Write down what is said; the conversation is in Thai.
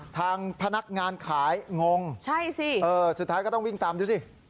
ทางพนักงานขายงงสุดท้ายก็ต้องวิ่งตามดูสิ